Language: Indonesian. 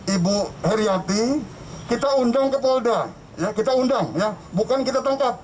ibu heriati kita undang ke polda kita undang bukan kita tangkap